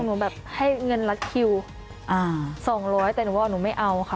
ผมแบบให้เงินละคิว๒๐๐แต่ผมว่าผมไม่เอาค่ะ